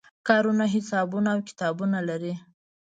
کارونه حسابونه او کتابونه لري.